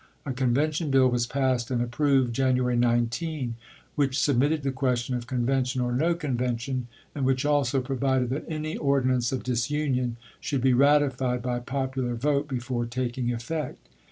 A convention bill was passed and approved January 19, which submitted the question of "Con vention " or " no Convention," and which also pro vided that any ordinance of disunion should be ratified by popular vote before taking effect.